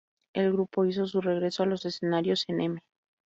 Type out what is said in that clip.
El grupo hizo su regreso a los escenarios en "M!